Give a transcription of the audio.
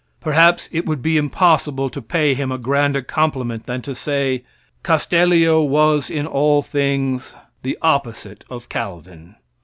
Perhaps it would be impossible to pay him a grander compliment than to say, Castellio was in all things the opposite of Calvin.